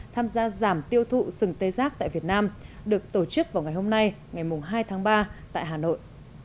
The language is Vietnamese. tham gia giảm tiêu thụ sừng tê giác tại việt nam được tổ chức vào ngày hôm nay ngày hai tháng ba tại hà nội